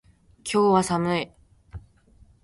今日は寒い。